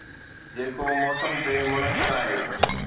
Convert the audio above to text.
جيڪو موسم تي منحصر آهي.